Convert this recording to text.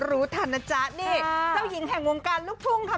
รู้ทันนะจ๊ะนี่เจ้าหญิงแห่งวงการลูกทุ่งค่ะ